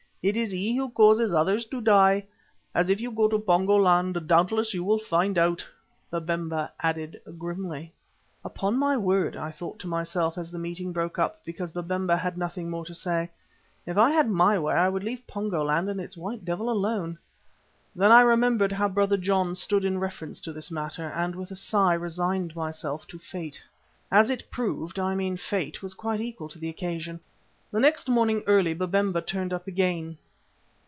It is he who causes others to die, as if you go to Pongo land doubtless you will find out," Babemba added grimly. Upon my word, thought I to myself, as the meeting broke up because Babemba had nothing more to say, if I had my way I would leave Pongo land and its white devil alone. Then I remembered how Brother John stood in reference to this matter, and with a sigh resigned myself to fate. As it proved it, I mean Fate, was quite equal to the occasion. The very next morning, early, Babemba turned up again.